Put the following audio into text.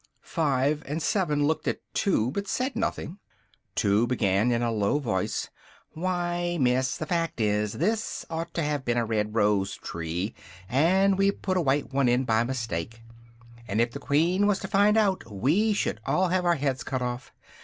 Five and Seven looked at Two, but said nothing: Two began, in a low voice, "why, Miss, the fact is, this ought to have been a red rose tree, and we put a white one in by mistake, and if the Queen was to find it out, we should all have our heads cut off.